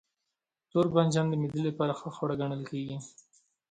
توربانجان د معدې لپاره ښه خواړه ګڼل کېږي.